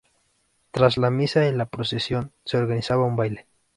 Tras la misa y la procesión se organizaba un baile.